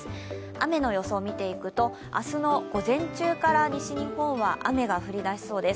雨の予想見ていくと、明日の午前中から西日本は雨が降り出しそうです。